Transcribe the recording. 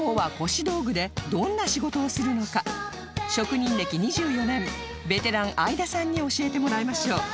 職人歴２４年ベテラン相田さんに教えてもらいましょう